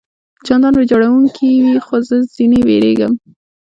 چندان ویجاړوونکي وي، خو زه ځنې وېرېږم.